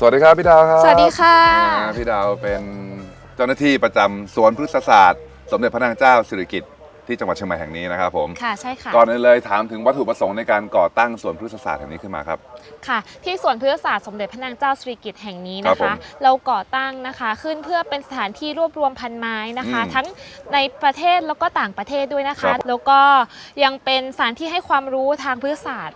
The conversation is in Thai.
สวัสดีครับพี่ดาวครับสวัสดีครับพี่ดาวเป็นเจ้าหน้าที่ประจำสวนพฤกษศาสตร์สมเด็จพระนางเจ้าสิริกิตที่จังหวัดเชียงใหม่แห่งนี้นะครับผมค่ะใช่ค่ะก่อนเลยถามถึงวัตถุประสงค์ในการก่อตั้งสวนพฤกษศาสตร์แห่งนี้ขึ้นมาครับค่ะที่สวนพฤกษศาสตร์สมเด็จพระนางเจ้าสิริกิตแ